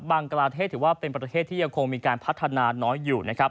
กลาเทศถือว่าเป็นประเทศที่ยังคงมีการพัฒนาน้อยอยู่นะครับ